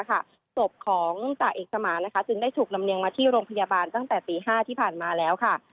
ศพของจ่าเอกสมานจึงได้ถูกลำเนียงมาที่โรงพยาบาลตั้งแต่ตี๕ที่ผ่านมาแล้วค่ะ